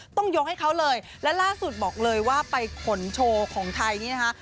ต้องยกให้เขาเลยและล่าสุดบอกเลยว่าไปขนโชว์ของไทยนี่นะคะ